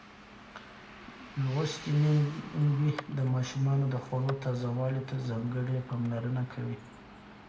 لوستې میندې د ماشومانو د خوړو تازه والي ته ځانګړې پاملرنه کوي.